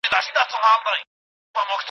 علمي بحث بېطرفه وي.